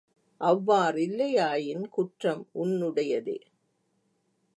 அவ்வாறில்லையாயின் குற்றம் உன்னுடையதே.